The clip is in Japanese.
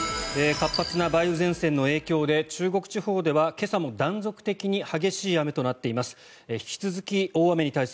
活発な梅雨前線の影響で中国地方では今朝も断続的に激しい雨となっています。